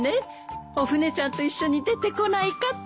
おフネちゃんと一緒に出てこないかって。